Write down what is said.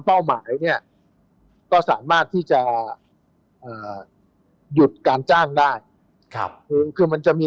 เป้าหมายเนี่ยก็สามารถที่จะหยุดการจ้างได้ครับคือคือมันจะมี